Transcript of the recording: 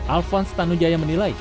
alfon stanunjaya menilai